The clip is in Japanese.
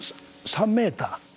３メーター。